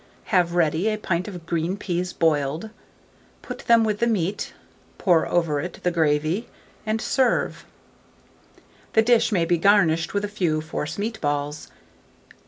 Have ready a pint of green peas boiled; put these with the meat, pour over it the gravy, and serve. The dish may be garnished with a few forcemeat balls.